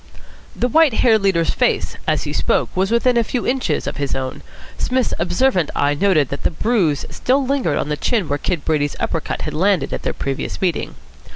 The white haired leader's face, as he spoke, was within a few inches of his own. Psmith's observant eye noted that the bruise still lingered on the chin where Kid Brady's upper cut had landed at their previous meeting.